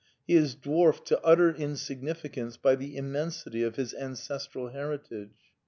He is dwarfed to utter insignificance by the immensity of his ancestral heritage.